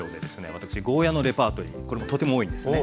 私ゴーヤーのレパートリーこれもとても多いんですね。